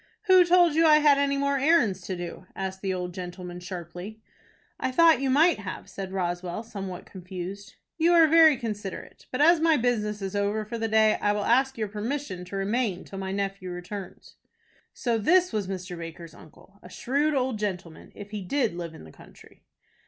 "Who told you I had any more errands to do?" asked the old gentleman, sharply. "I thought you might have," said Roswell, somewhat confused. "You are very considerate; but, as my business is over for the day, I will ask your permission to remain till my nephew returns." So this was Mr. Baker's uncle, a shrewd old gentlemen, if he did live in the country.